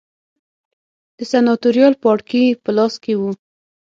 د سناتوریال پاړکي په لاس کې و